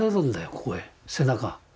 ここへ背中。